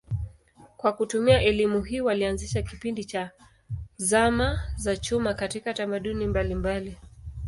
Kwa kutumia elimu hii walianzisha kipindi cha zama za chuma katika tamaduni mbalimbali.